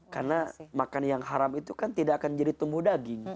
karena makan yang haram itu kan tidak akan jadi tumbuh daging